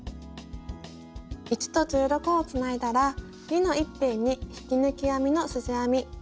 １と１６をつないだら２の１辺に引き抜き編みのすじ編み。